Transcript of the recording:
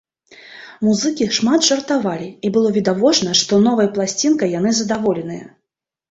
Музыкі шмат жартавалі і было відавочна, што новай пласцінкай яны задаволеныя.